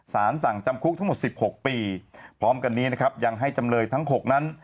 สารสั่งจำคุกทั้งหมด๑๖ปีพร้อมกันนี้นะครับยังให้จำเลยทั้ง๖นั้น